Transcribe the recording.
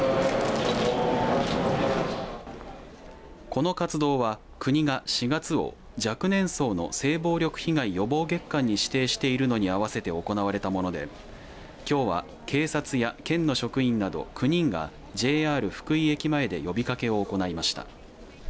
この活動は国が４月を若年層の性暴力被害予防月間に指定していることに合わせて行われたものできょうは警察や県の職員など９人がＪＲ福井駅前で呼びかけを行いました。